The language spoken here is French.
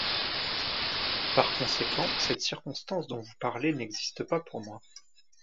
Par conséquent, cette circonstance dont vous parlez n’existe pas pour moi.